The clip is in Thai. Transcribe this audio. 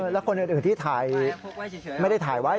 แล้วคนอื่นที่ถ่ายไม่ได้ถ่ายไว้